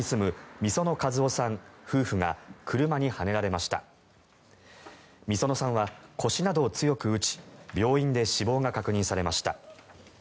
御園さんは腰などを強く打ち病院で死亡が確認されました。